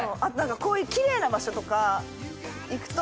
こういう奇麗な場所とか行くと。